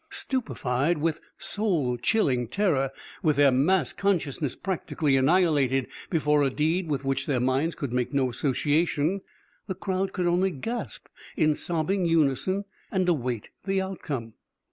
Stupefied with soul chilling terror, with their mass consciousness practically annihilated before a deed with which their minds could make no association, the crowd could only gasp in sobbing unison and await the outcome.